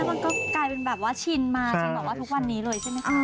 มันก็กลายเป็นแบบว่าชินมาชินแบบว่าทุกวันนี้เลยใช่ไหมคะ